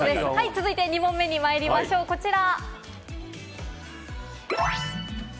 続いては２問目にまいりましょう、こちら。